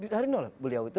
dari nol beliau itu